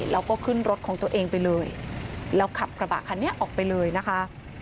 แล้วก็ขึ้นรถของตัวเองไปเลยแล้วขับกระบะคันนี้ออกไปเลยนะคะ